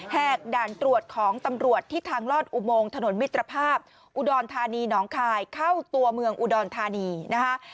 กด่านตรวจของตำรวจที่ทางลอดอุโมงถนนมิตรภาพอุดรธานีน้องคายเข้าตัวเมืองอุดรธานีนะคะ